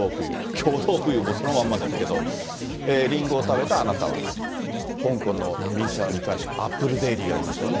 共同富裕、そのまんまですけど、リンゴを食べたあなたは、香港の民主派日刊紙、アップル・デイリーがありましたよね。